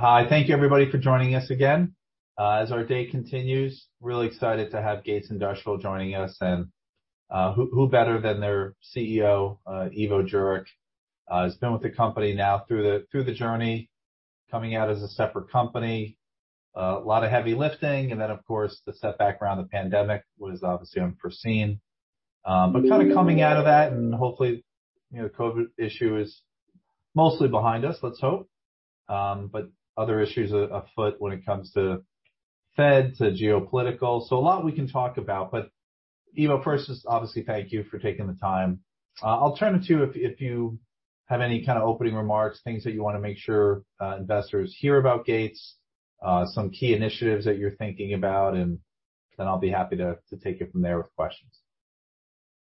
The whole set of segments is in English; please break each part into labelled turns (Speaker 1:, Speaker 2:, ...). Speaker 1: Hi, thank you everybody for joining us again. As our day continues, really excited to have Gates Industrial joining us, and who better than their CEO, Ivo Jurek? He's been with the company now through the journey, coming out as a separate company, a lot of heavy lifting, and of course the setback around the pandemic was obviously unforeseen. Kind of coming out of that, and hopefully the COVID issue is mostly behind us, let's hope. Other issues afoot when it comes to Fed, to geopolitical, so a lot we can talk about. Ivo, first, just obviously thank you for taking the time. I'll turn it to you if you have any kind of opening remarks, things that you want to make sure investors hear about Gates, some key initiatives that you're thinking about, and then I'll be happy to take it from there with questions.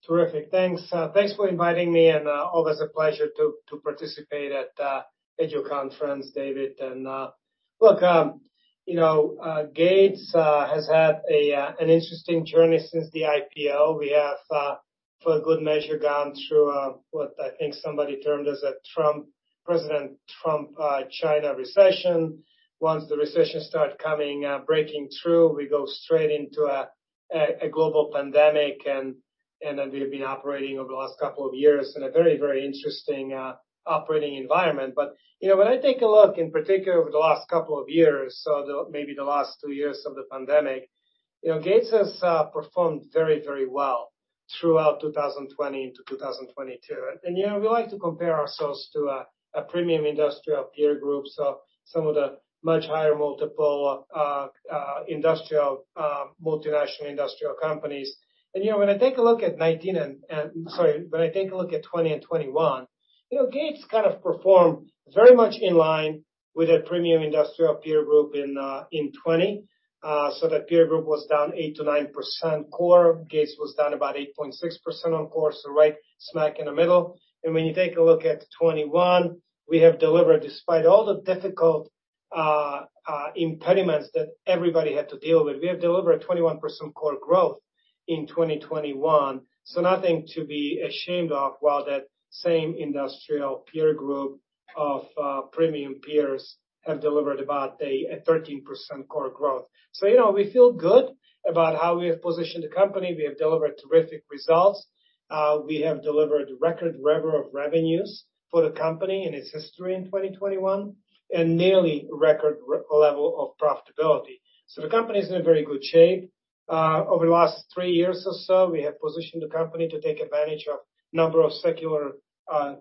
Speaker 2: Terrific, thanks. Thanks for inviting me, and always a pleasure to participate at your conference, David. Look, you know Gates has had an interesting journey since the IPO. We have, for a good measure, gone through what I think somebody termed as a President Trump China recession. Once the recession started coming, breaking through, we go straight into a global pandemic, and we've been operating over the last couple of years in a very, very interesting operating environment. You know when I take a look in particular over the last couple of years, so maybe the last two years of the pandemic, you know Gates has performed very, very well throughout 2020 into 2022. You know we like to compare ourselves to a premium industrial peer group, so some of the much higher multiple industrial multinational industrial companies. You know when I take a look at 2019, and sorry, when I take a look at 2020 and 2021, you know Gates kind of performed very much in line with a premium industrial peer group in 2020. That peer group was down 8%-9% core, Gates was down about 8.6% on core, so right smack in the middle. When you take a look at 2021, we have delivered, despite all the difficult impediments that everybody had to deal with, we have delivered 21% core growth in 2021. Nothing to be ashamed of while that same industrial peer group of premium peers have delivered about a 13% core growth. You know we feel good about how we have positioned the company. We have delivered terrific results. We have delivered record level of revenues for the company in its history in 2021, and nearly record level of profitability. The company is in very good shape. Over the last three years or so, we have positioned the company to take advantage of a number of secular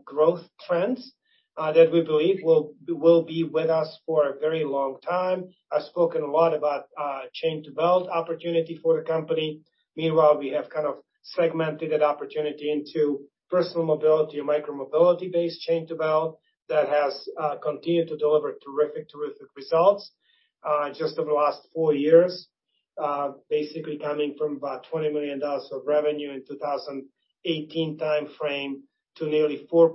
Speaker 2: growth trends that we believe will be with us for a very long time. I've spoken a lot about chain to belt opportunity for the company. Meanwhile, we have kind of segmented that opportunity into personal mobility and micro mobility based chain to belt that has continued to deliver terrific, terrific results just over the last four years. Basically coming from about $20 million of revenue in 2018 timeframe to nearly 4%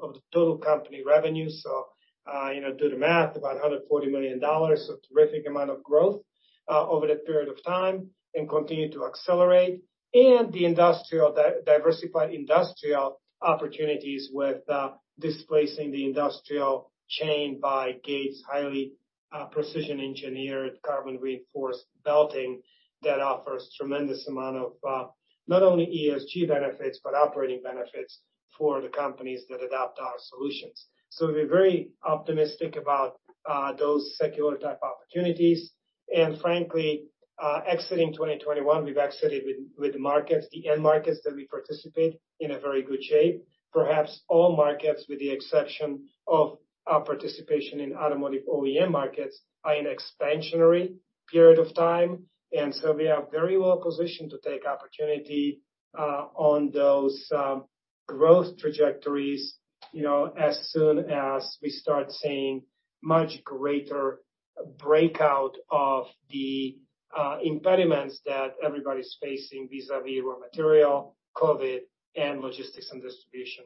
Speaker 2: of the total company revenue. You know, do the math, about $140 million, so terrific amount of growth over that period of time and continue to accelerate. The industrial diversified industrial opportunities with displacing the industrial chain by Gates highly precision engineered carbon reinforced belting that offers tremendous amount of not only ESG benefits, but operating benefits for the companies that adopt our solutions. We are very optimistic about those secular type opportunities. Frankly, exiting 2021, we've exited with the markets, the end markets that we participate in a very good shape. Perhaps all markets with the exception of participation in automotive OEM markets are in expansionary period of time. We are very well positioned to take opportunity on those growth trajectories, you know, as soon as we start seeing much greater breakout of the impediments that everybody's facing vis-à-vis raw material, COVID, and logistics and distribution.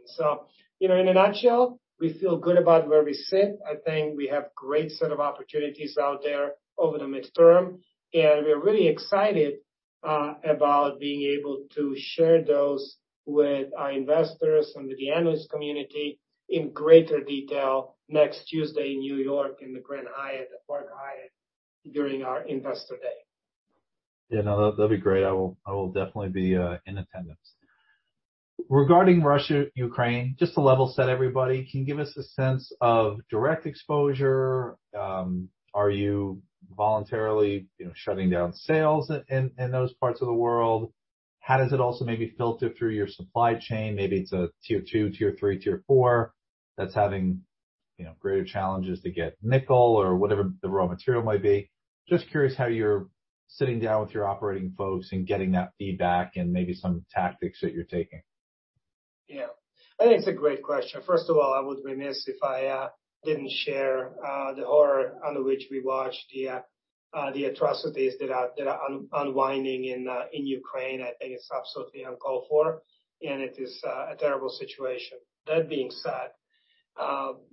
Speaker 2: You know, in a nutshell, we feel good about where we sit. I think we have a great set of opportunities out there over the midterm, and we are really excited about being able to share those with our investors and with the analyst community in greater detail next Tuesday in New York in the Grand Hyatt at Park Hyatt during our investor day.
Speaker 1: Yeah, no, that'll be great. I will definitely be in attendance. Regarding Russia, Ukraine, just to level set everybody, can you give us a sense of direct exposure? Are you voluntarily shutting down sales in those parts of the world? How does it also maybe filter through your supply chain? Maybe it's a tier two, tier three, tier four that's having greater challenges to get nickel or whatever the raw material might be. Just curious how you're sitting down with your operating folks and getting that feedback and maybe some tactics that you're taking.
Speaker 2: Yeah, I think it's a great question. First of all, I would be remiss if I didn't share the horror under which we watched the atrocities that are unwinding in Ukraine. I think it's absolutely uncalled for, and it is a terrible situation. That being said,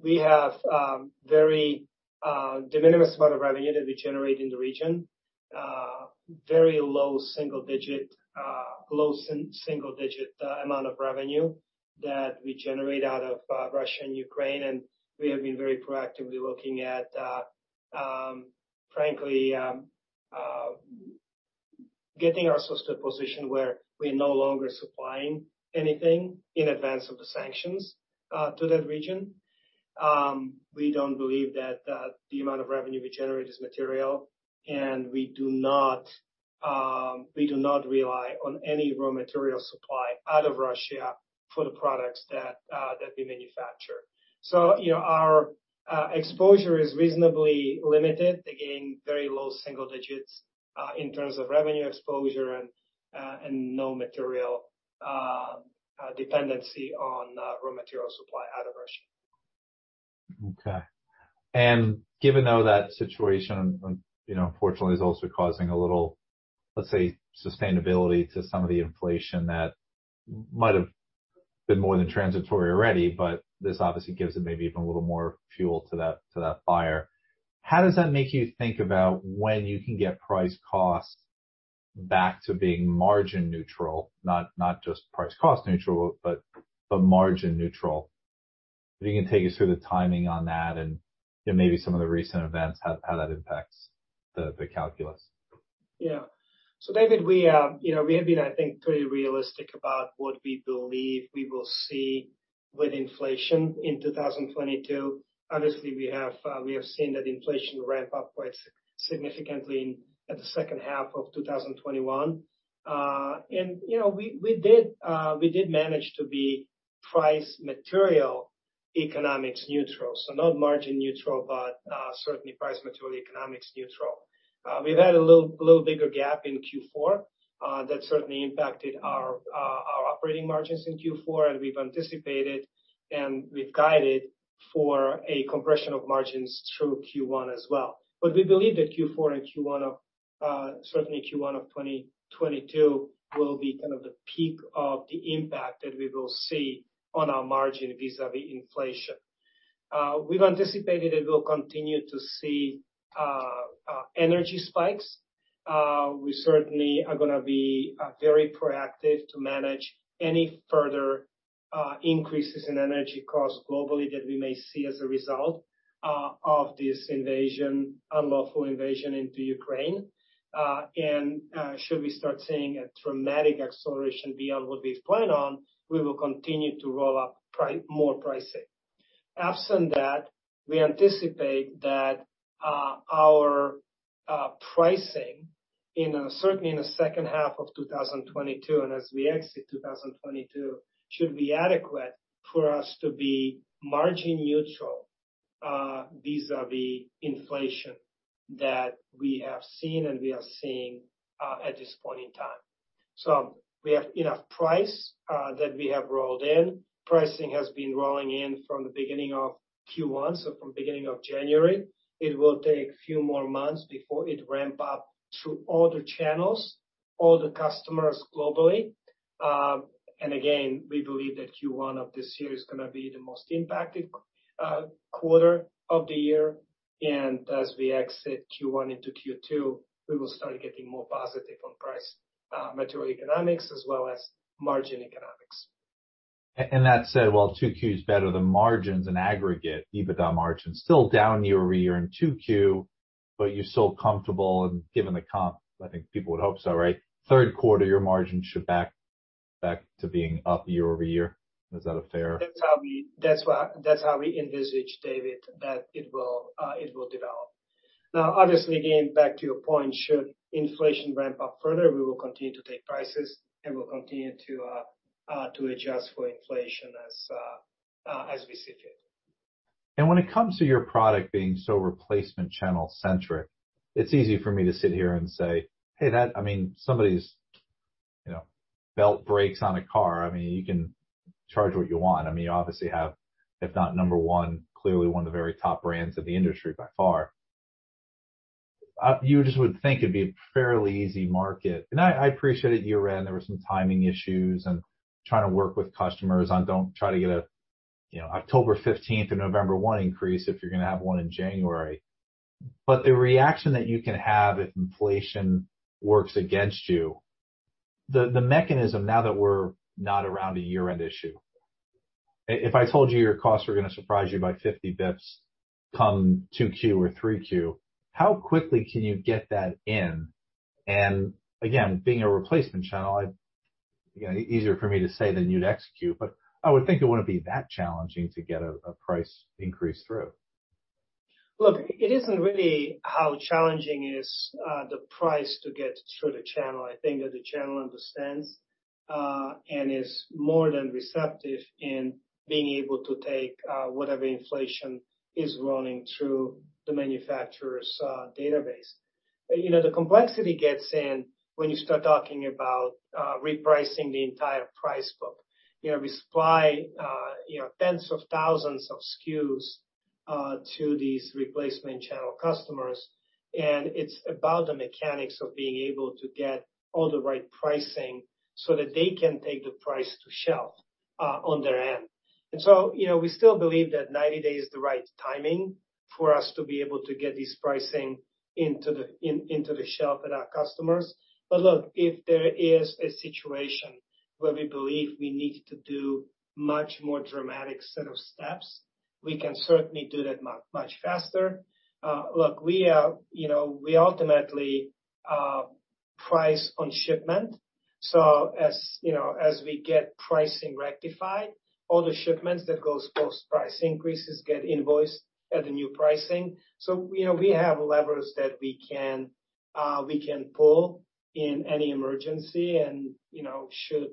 Speaker 2: we have a very diminished amount of revenue that we generate in the region, very low single digit, low single digit amount of revenue that we generate out of Russia and Ukraine. We have been very proactively looking at, frankly, getting ourselves to a position where we are no longer supplying anything in advance of the sanctions to that region. We don't believe that the amount of revenue we generate is material, and we do not rely on any raw material supply out of Russia for the products that we manufacture. You know our exposure is reasonably limited, again, very low single digits in terms of revenue exposure and no material dependency on raw material supply out of Russia.
Speaker 1: Okay. Given though that situation, unfortunately, is also causing a little, let's say, sustainability to some of the inflation that might have been more than transitory already, this obviously gives it maybe even a little more fuel to that fire. How does that make you think about when you can get price cost back to being margin neutral, not just price cost neutral, but margin neutral? If you can take us through the timing on that and maybe some of the recent events, how that impacts the calculus.
Speaker 2: Yeah. David, we have been, I think, pretty realistic about what we believe we will see with inflation in 2022. Obviously, we have seen that inflation ramp up quite significantly in the second half of 2021. You know we did manage to be price material economics neutral, so not margin neutral, but certainly price material economics neutral. We've had a little bigger gap in Q4 that certainly impacted our operating margins in Q4, and we've anticipated and we've guided for a compression of margins through Q1 as well. We believe that Q4 and Q1, certainly Q1 of 2022, will be kind of the peak of the impact that we will see on our margin vis-à-vis inflation. We've anticipated that we'll continue to see energy spikes. We certainly are going to be very proactive to manage any further increases in energy costs globally that we may see as a result of this invasion, unlawful invasion into Ukraine. Should we start seeing a dramatic acceleration beyond what we have planned on, we will continue to roll up more pricing. Absent that, we anticipate that our pricing, certainly in the second half of 2022 and as we exit 2022, should be adequate for us to be margin neutral vis-à-vis inflation that we have seen and we are seeing at this point in time. We have enough price that we have rolled in. Pricing has been rolling in from the beginning of Q1, from the beginning of January. It will take a few more months before it ramps up through all the channels, all the customers globally. We believe that Q1 of this year is going to be the most impacted quarter of the year. As we exit Q1 into Q2, we will start getting more positive on price material economics as well as margin economics.
Speaker 1: That said, while 2Q is better than margins in aggregate, EBITDA margin still down year over year in 2Q, but you're still comfortable and given the comp, I think people would hope so, right? Third quarter, your margin should back to being up year over year. Is that fair?
Speaker 2: That's how we envisage, David, that it will develop. Now, obviously, again, back to your point, should inflation ramp up further, we will continue to take prices and we'll continue to adjust for inflation as we see fit.
Speaker 1: When it comes to your product being so replacement channel centric, it's easy for me to sit here and say, hey, that, I mean, somebody's belt breaks on a car. I mean, you can charge what you want. I mean, you obviously have, if not number one, clearly one of the very top brands in the industry by far. You just would think it'd be a fairly easy market. I appreciate it, Jurek. There were some timing issues and trying to work with customers on, don't try to get an October 15th or November 1 increase if you're going to have one in January. The reaction that you can have if inflation works against you, the mechanism now that we're not around a year-end issue, if I told you your costs were going to surprise you by 50 basis points come 2Q or 3Q, how quickly can you get that in? Again, being a replacement channel, it's easier for me to say than you'd execute, but I would think it wouldn't be that challenging to get a price increase through.
Speaker 2: Look, it isn't really how challenging is the price to get through the channel. I think that the channel understands and is more than receptive in being able to take whatever inflation is rolling through the manufacturer's database. You know, the complexity gets in when you start talking about repricing the entire price book. You know, we supply tens of thousands of SKUs to these replacement channel customers, and it's about the mechanics of being able to get all the right pricing so that they can take the price to shelf on their end. You know, we still believe that 90 days is the right timing for us to be able to get these pricing into the shelf at our customers. Look, if there is a situation where we believe we need to do a much more dramatic set of steps, we can certainly do that much faster. Look, we ultimately price on shipment. As you know, we get pricing rectified, all the shipments that go post price increases get invoiced at the new pricing. You know, we have levers that we can pull in any emergency. You know, should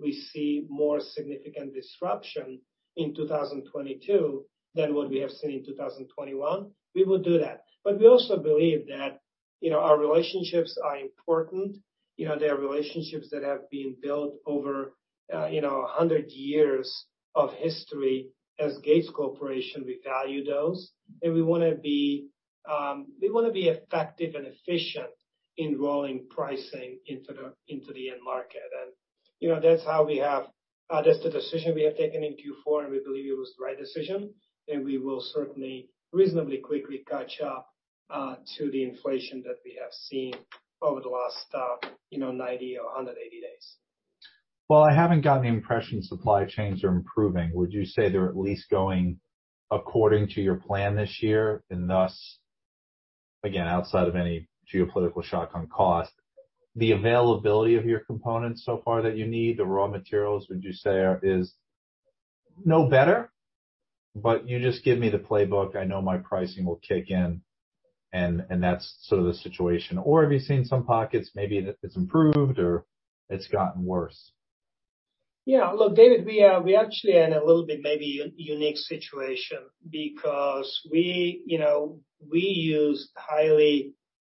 Speaker 2: we see more significant disruption in 2022 than what we have seen in 2021, we will do that. We also believe that, you know, our relationships are important. You know, there are relationships that have been built over, you know, 100 years of history as Gates Corporation. We value those, and we want to be effective and efficient in rolling pricing into the end market. You know that's how we have, that's the decision we have taken in Q4, and we believe it was the right decision. We will certainly reasonably quickly catch up to the inflation that we have seen over the last, you know, 90 or 180 days.
Speaker 1: I haven't gotten the impression supply chains are improving. Would you say they're at least going according to your plan this year? Thus, again, outside of any geopolitical shock on cost, the availability of your components so far that you need, the raw materials, would you say is no better, but you just give me the playbook. I know my pricing will kick in, and that's sort of the situation. Have you seen some pockets maybe it's improved or it's gotten worse?
Speaker 2: Yeah, look, David, we actually are in a little bit maybe unique situation because we use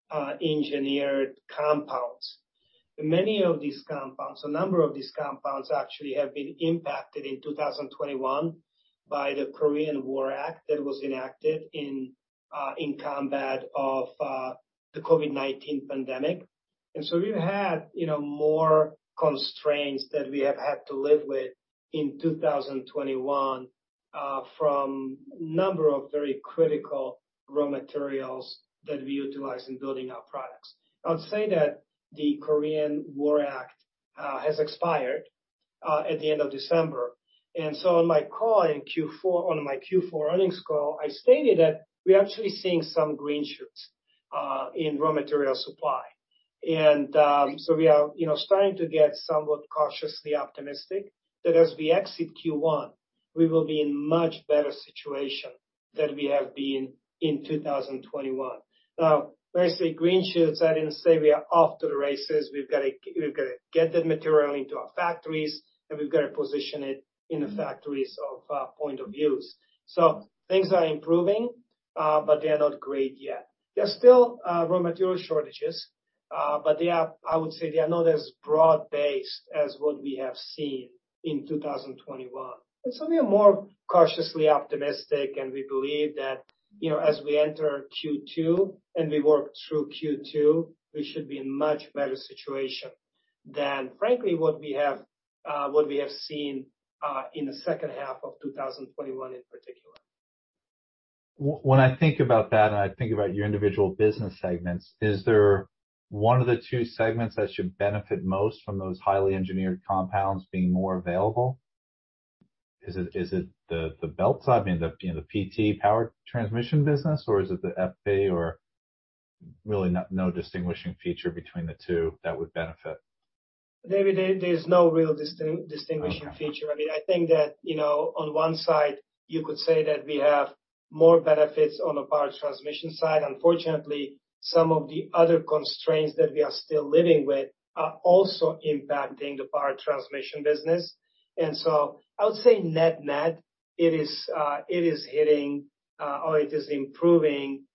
Speaker 2: highly engineered compounds. Many of these compounds, a number of these compounds actually have been impacted in 2021 by the Korean War Act that was enacted in combat of the COVID-19 pandemic. We have had more constraints that we have had to live with in 2021 from a number of very critical raw materials that we utilize in building our products. I'll say that the Korean War Act has expired at the end of December. On my call in Q4, on my Q4 earnings call, I stated that we're actually seeing some green shoots in raw material supply. We are starting to get somewhat cautiously optimistic that as we exit Q1, we will be in a much better situation than we have been in 2021. Now, when I say green shoots, I didn't say we are off to the races. We've got to get that material into our factories, and we've got to position it in the factories of point of use. Things are improving, but they are not great yet. There are still raw material shortages, but I would say they are not as broad-based as what we have seen in 2021. We are more cautiously optimistic, and we believe that as we enter Q2 and we work through Q2, we should be in a much better situation than, frankly, what we have seen in the second half of 2021 in particular.
Speaker 1: When I think about that and I think about your individual business segments, is there one of the two segments that should benefit most from those highly engineered compounds being more available? Is it the belt side, I mean, the PT power transmission business, or is it the FP or really no distinguishing feature between the two that would benefit?
Speaker 2: David, there's no real distinguishing feature. I mean, I think that on one side, you could say that we have more benefits on the power transmission side. Unfortunately, some of the other constraints that we are still living with are also impacting the power transmission business. I would say net-net, it is hitting or it is improving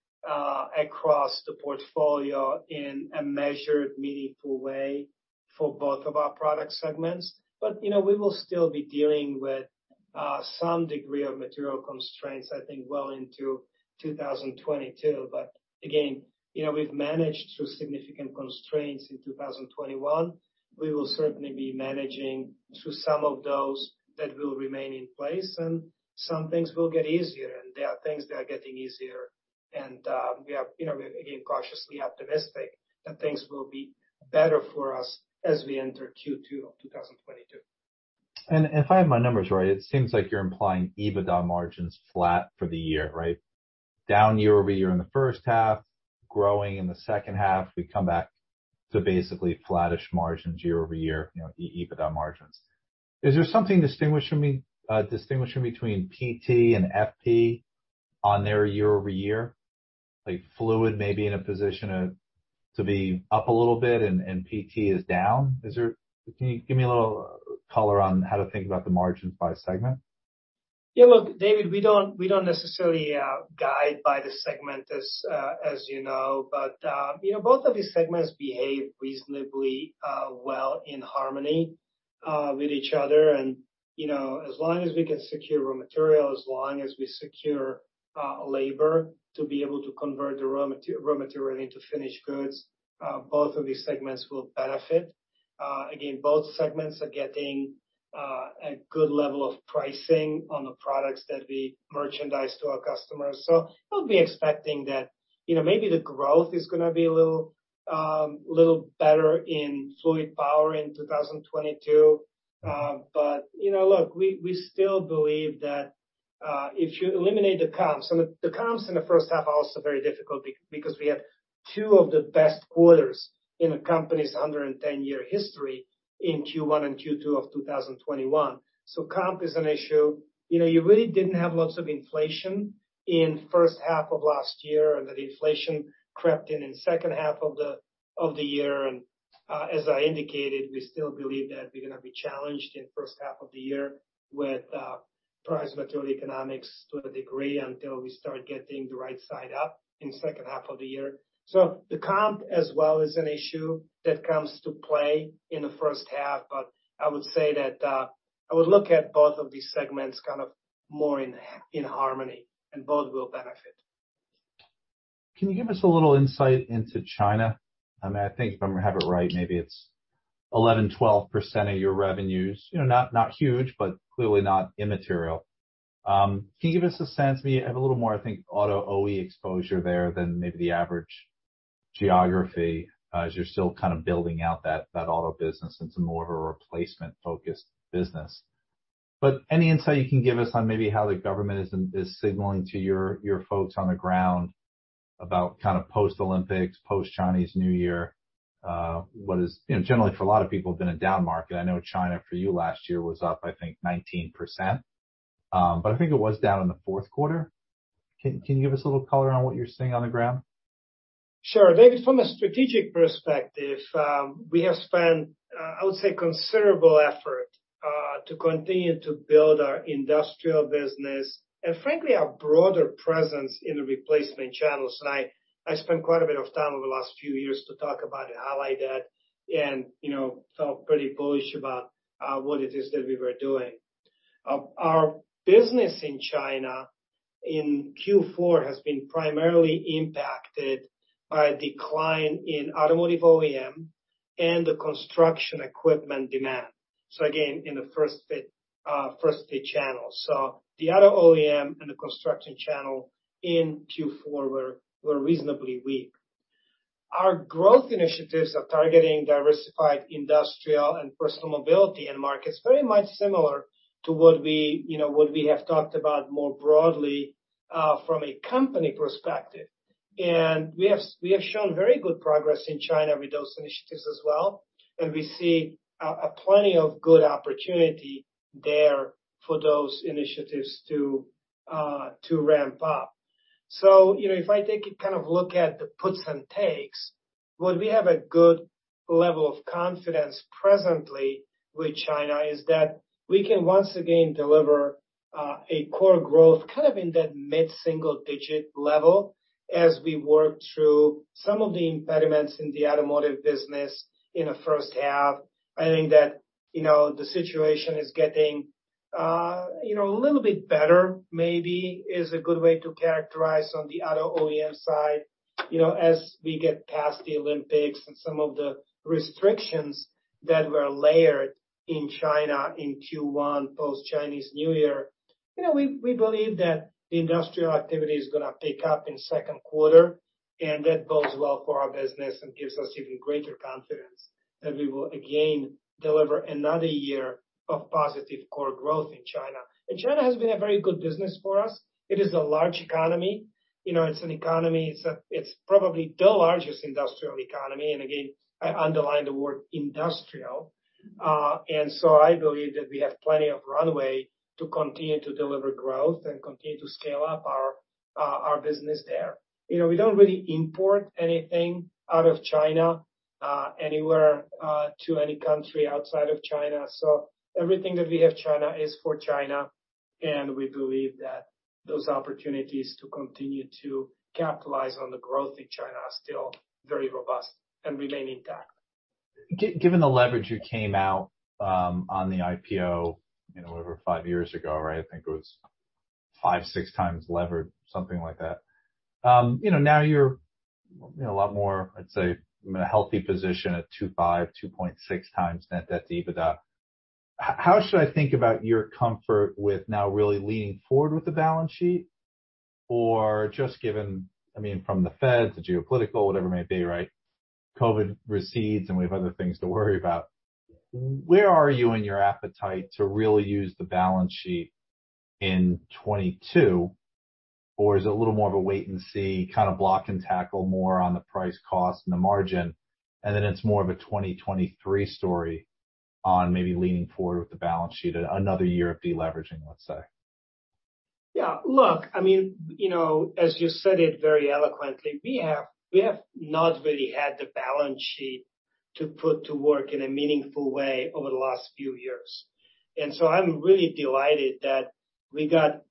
Speaker 2: across the portfolio in a measured, meaningful way for both of our product segments. We will still be dealing with some degree of material constraints, I think, well into 2022. Again, we've managed through significant constraints in 2021. We will certainly be managing through some of those that will remain in place, and some things will get easier. There are things that are getting easier, and we are, again, cautiously optimistic that things will be better for us as we enter Q2 of 2022.
Speaker 1: If I have my numbers right, it seems like you're implying EBITDA margins flat for the year, right? Down year over year in the first half, growing in the second half. We come back to basically flattish margins year over year, EBITDA margins. Is there something distinguishing between PT and FP on their year over year? Like fluid maybe in a position to be up a little bit and PT is down? Can you give me a little color on how to think about the margins by segment?
Speaker 2: Yeah, look, David, we don't necessarily guide by the segment, as you know, but both of these segments behave reasonably well in harmony with each other. As long as we can secure raw material, as long as we secure labor to be able to convert the raw material into finished goods, both of these segments will benefit. Again, both segments are getting a good level of pricing on the products that we merchandise to our customers. I would be expecting that maybe the growth is going to be a little better in fluid power in 2022. Look, we still believe that if you eliminate the comps, and the comps in the first half are also very difficult because we had two of the best quarters in a company's 110-year history in Q1 and Q2 of 2021. Comp is an issue. You really didn't have lots of inflation in the first half of last year, and that inflation crept in in the second half of the year. As I indicated, we still believe that we're going to be challenged in the first half of the year with price material economics to a degree until we start getting the right side up in the second half of the year. The comp as well is an issue that comes to play in the first half, but I would say that I would look at both of these segments kind of more in harmony, and both will benefit.
Speaker 1: Can you give us a little insight into China? I mean, I think if I'm going to have it right, maybe it's 11-12% of your revenues. Not huge, but clearly not immaterial. Can you give us a sense? We have a little more, I think, auto OE exposure there than maybe the average geography as you're still kind of building out that auto business. It's more of a replacement-focused business. Any insight you can give us on maybe how the government is signaling to your folks on the ground about kind of post-Olympics, post-Chinese New Year? Generally, for a lot of people, it's been a down market. I know China for you last year was up, I think, 19%, but I think it was down in the fourth quarter. Can you give us a little color on what you're seeing on the ground?
Speaker 2: Sure. David, from a strategic perspective, we have spent, I would say, considerable effort to continue to build our industrial business and, frankly, our broader presence in replacement channels. I spent quite a bit of time over the last few years to talk about it, highlight that, and felt pretty bullish about what it is that we were doing. Our business in China in Q4 has been primarily impacted by a decline in automotive OEM and the construction equipment demand. Again, in the first fit channels. The auto OEM and the construction channel in Q4 were reasonably weak. Our growth initiatives are targeting diversified industrial and personal mobility and markets very much similar to what we have talked about more broadly from a company perspective. We have shown very good progress in China with those initiatives as well. We see plenty of good opportunity there for those initiatives to ramp up. If I take a kind of look at the puts and takes, what we have a good level of confidence presently with China is that we can once again deliver a core growth kind of in that mid-single-digit level as we work through some of the impediments in the automotive business in the first half. I think that the situation is getting a little bit better maybe is a good way to characterize on the auto OEM side as we get past the Olympics and some of the restrictions that were layered in China in Q1 post-Chinese New Year. We believe that the industrial activity is going to pick up in the second quarter, and that bodes well for our business and gives us even greater confidence that we will again deliver another year of positive core growth in China. China has been a very good business for us. It is a large economy. It's an economy. It's probably the largest industrial economy. I underline the word industrial. I believe that we have plenty of runway to continue to deliver growth and continue to scale up our business there. We do not really import anything out of China anywhere to any country outside of China. Everything that we have in China is for China. We believe that those opportunities to continue to capitalize on the growth in China are still very robust and remain intact.
Speaker 1: Given the leverage you came out on the IPO over five years ago, right? I think it was five, six times levered, something like that. Now you're a lot more, I'd say, in a healthy position at 2.5, 2.6 times net debt to EBITDA. How should I think about your comfort with now really leaning forward with the balance sheet or just given, I mean, from the Fed to geopolitical, whatever it may be, right? COVID recedes, and we have other things to worry about. Where are you in your appetite to really use the balance sheet in 2022? Or is it a little more of a wait and see, kind of block and tackle more on the price cost and the margin? And then it's more of a 2023 story on maybe leaning forward with the balance sheet and another year of deleveraging, let's say?
Speaker 2: Yeah. Look, I mean, as you said it very eloquently, we have not really had the balance sheet to put to work in a meaningful way over the last few years. I am really delighted that we got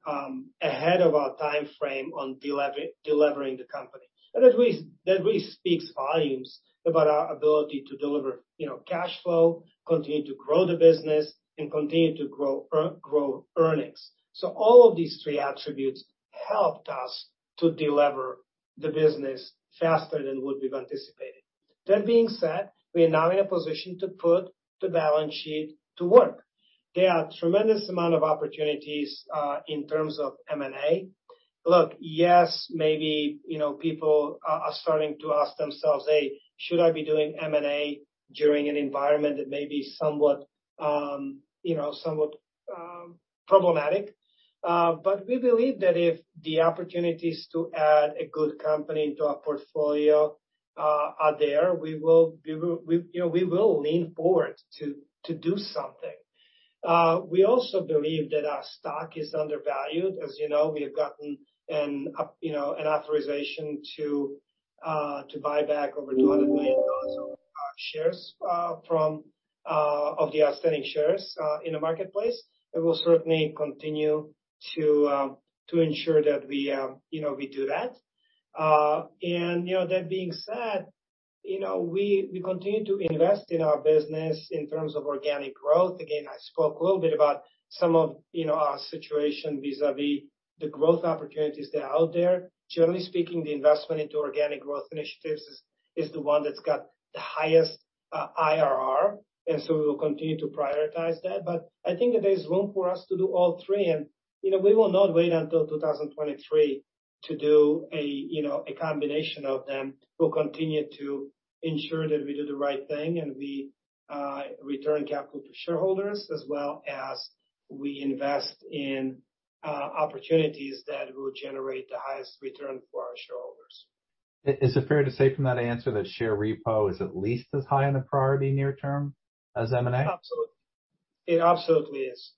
Speaker 2: ahead of our time frame on delivering the company. That really speaks volumes about our ability to deliver cash flow, continue to grow the business, and continue to grow earnings. All of these three attributes helped us to deliver the business faster than what we've anticipated. That being said, we are now in a position to put the balance sheet to work. There are a tremendous amount of opportunities in terms of M&A. Look, yes, maybe people are starting to ask themselves, "Hey, should I be doing M&A during an environment that may be somewhat problematic?" We believe that if the opportunities to add a good company into our portfolio are there, we will lean forward to do something. We also believe that our stock is undervalued. As you know, we have gotten an authorization to buy back over $200 million of shares of the outstanding shares in the marketplace. It will certainly continue to ensure that we do that. That being said, we continue to invest in our business in terms of organic growth. Again, I spoke a little bit about some of our situation vis-à-vis the growth opportunities that are out there. Generally speaking, the investment into organic growth initiatives is the one that's got the highest IRR. We will continue to prioritize that. I think that there's room for us to do all three. We will not wait until 2023 to do a combination of them. We'll continue to ensure that we do the right thing and we return capital to shareholders as well as we invest in opportunities that will generate the highest return for our shareholders.
Speaker 1: Is it fair to say from that answer that share repo is at least as high in a priority near-term as M&A?
Speaker 2: Absolutely. It absolutely is.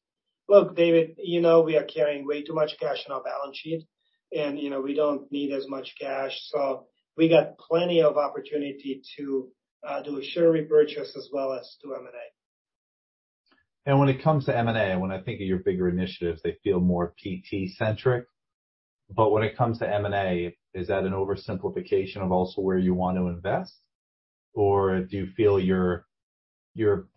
Speaker 2: Look, David, you know we are carrying way too much cash on our balance sheet, and we do not need as much cash. We got plenty of opportunity to do a share repurchase as well as to M&A.
Speaker 1: When it comes to M&A, when I think of your bigger initiatives, they feel more PT-centric. But when it comes to M&A, is that an oversimplification of also where you want to invest? Or do you feel your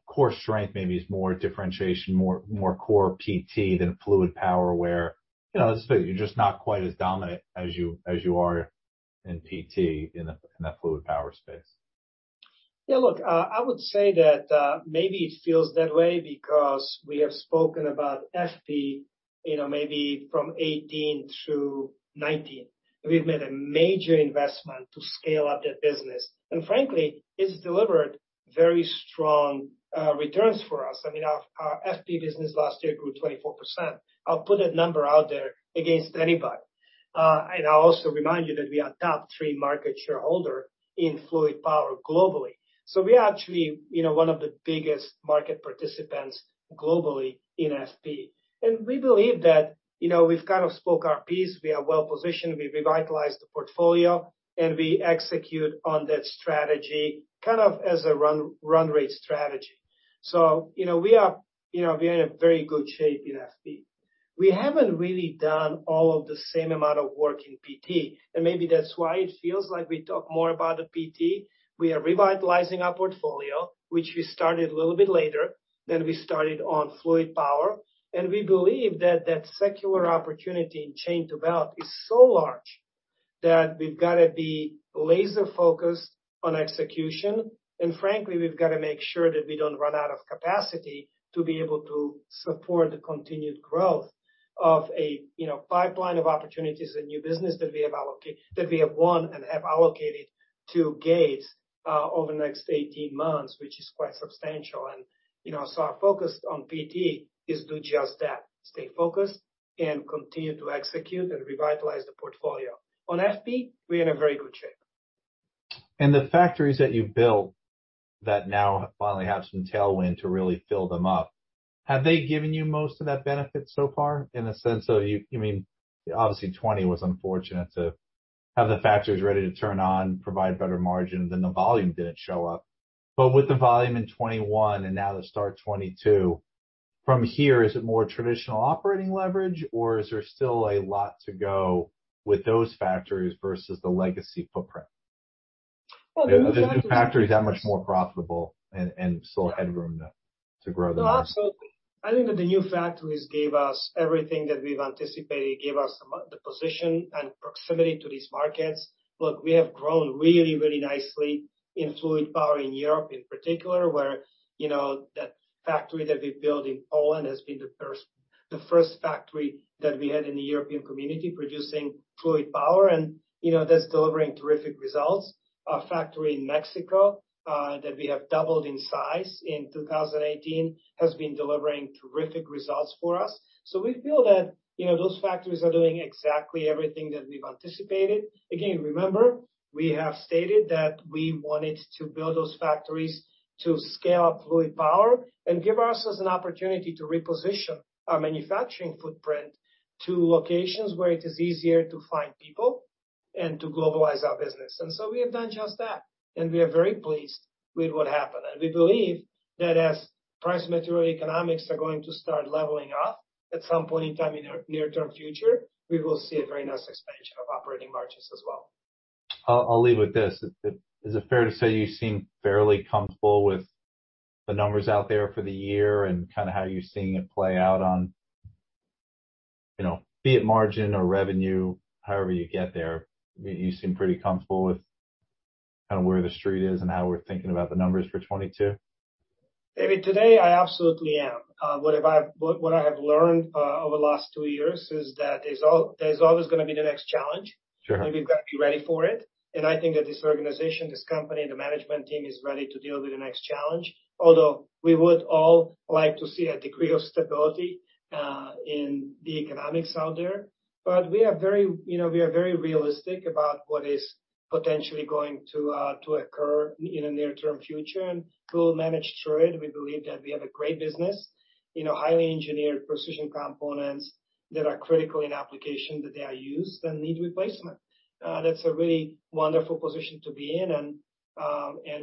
Speaker 1: core strength maybe is more differentiation, more core PT than fluid power where you're just not quite as dominant as you are in PT in that fluid power space?
Speaker 2: Yeah, look, I would say that maybe it feels that way because we have spoken about FP maybe from 2018 through 2019. We've made a major investment to scale up that business. And frankly, it's delivered very strong returns for us. I mean, our FP business last year grew 24%. I'll put that number out there against anybody. I'll also remind you that we are top three market shareholders in fluid power globally. We are actually one of the biggest market participants globally in FP. We believe that we've kind of spoke our piece. We are well-positioned. We revitalized the portfolio, and we execute on that strategy kind of as a run-rate strategy. We are in very good shape in FP. We haven't really done all of the same amount of work in PT, and maybe that's why it feels like we talk more about the PT. We are revitalizing our portfolio, which we started a little bit later than we started on fluid power. We believe that that secular opportunity in chain to belt is so large that we've got to be laser-focused on execution. Frankly, we've got to make sure that we don't run out of capacity to be able to support the continued growth of a pipeline of opportunities and new business that we have won and have allocated to Gates over the next 18 months, which is quite substantial. Our focus on PT is to do just that, stay focused, and continue to execute and revitalize the portfolio. On FP, we're in a very good shape.
Speaker 1: The factories that you've built that now finally have some tailwind to really fill them up, have they given you most of that benefit so far in the sense of, I mean, obviously, 2020 was unfortunate to have the factories ready to turn on, provide better margin, then the volume didn't show up. With the volume in 2021 and now the start of 2022, from here, is it more traditional operating leverage, or is there still a lot to go with those factories versus the legacy footprint? Are the new factories that much more profitable and still headroom to grow them up?
Speaker 2: Absolutely. I think that the new factories gave us everything that we've anticipated, gave us the position and proximity to these markets. Look, we have grown really, really nicely in fluid power in Europe in particular, where that factory that we built in Poland has been the first factory that we had in the European community producing fluid power. That's delivering terrific results. Our factory in Mexico that we have doubled in size in 2018 has been delivering terrific results for us. We feel that those factories are doing exactly everything that we've anticipated. Again, remember, we have stated that we wanted to build those factories to scale up fluid power and give us an opportunity to reposition our manufacturing footprint to locations where it is easier to find people and to globalize our business. We have done just that. We are very pleased with what happened. We believe that as price material economics are going to start leveling off at some point in time in the near-term future, we will see a very nice expansion of operating margins as well.
Speaker 1: I'll leave with this. Is it fair to say you seem fairly comfortable with the numbers out there for the year and kind of how you're seeing it play out on, be it margin or revenue, however you get there? You seem pretty comfortable with kind of where the street is and how we're thinking about the numbers for 2022?
Speaker 2: David, today, I absolutely am. What I have learned over the last two years is that there's always going to be the next challenge. We have got to be ready for it. I think that this organization, this company, the management team is ready to deal with the next challenge, although we would all like to see a degree of stability in the economics out there. We are very realistic about what is potentially going to occur in the near-term future. We will manage through it. We believe that we have a great business, highly engineered precision components that are critical in application that they are used and need replacement. That is a really wonderful position to be in.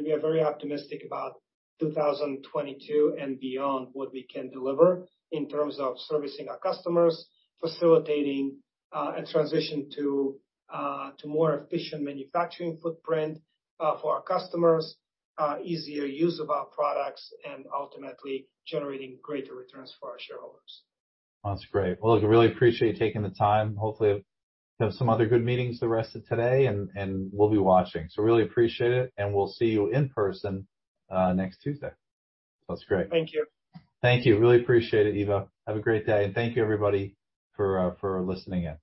Speaker 2: We are very optimistic about 2022 and beyond what we can deliver in terms of servicing our customers, facilitating a transition to a more efficient manufacturing footprint for our customers, easier use of our products, and ultimately generating greater returns for our shareholders.
Speaker 1: That's great. Look, I really appreciate you taking the time. Hopefully, you have some other good meetings the rest of today, and we'll be watching. I really appreciate it. We'll see you in person next Tuesday. That's great.
Speaker 2: Thank you.
Speaker 1: Thank you. Really appreciate it, Ivo. Have a great day. Thank you, everybody, for listening in.